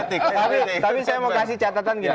tapi saya mau kasih catatan gini